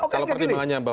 kalau pertimbangannya bahwa